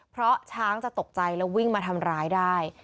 เพราะช้างจะตกใจแล้ววิ่งมาทำร้ายได้